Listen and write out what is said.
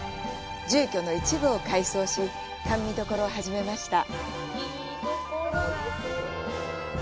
住居の一部を改装し、甘味処を始めました。